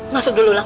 masuk dulu lang